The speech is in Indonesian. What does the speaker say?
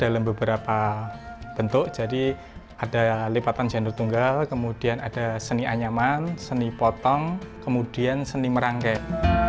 dalam beberapa bentuk jadi ada lipatan jenur tunggal kemudian ada seni anyaman seni potong kemudian seni merangkeng